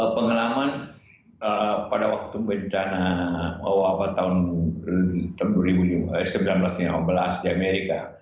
pengalaman pada waktu bencana owabah tahun seribu sembilan ratus lima belas di amerika